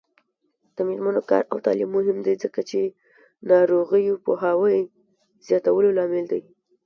د میرمنو کار او تعلیم مهم دی ځکه چې ناروغیو پوهاوي زیاتولو لامل دی.